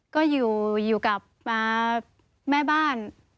ก็อยู่กับแม่บ้าน